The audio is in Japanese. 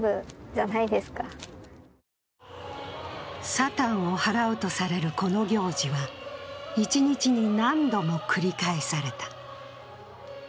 サタンを払うとされるこの行事は、一日に何度も繰り返された。